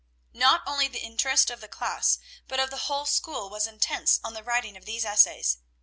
Not only the interest of the class, but of the whole school, was intense on the writing of these essays.